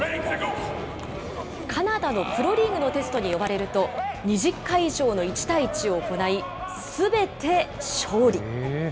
カナダのプロリーグのテストに呼ばれると、２０回以上の１対１を行い、すべて勝利。